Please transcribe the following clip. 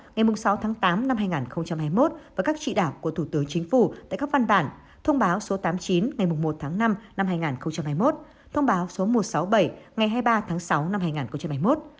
ngày sáu tháng tám năm hai nghìn hai mươi một và các trị đạo của thủ tướng chính phủ tại các văn bản thông báo số tám mươi chín ngày một tháng năm năm hai nghìn hai mươi một thông báo số một trăm sáu mươi bảy ngày hai mươi ba tháng sáu năm hai nghìn hai mươi một